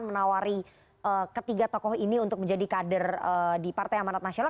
menawari ketiga tokoh ini untuk menjadi kader di partai amanat nasional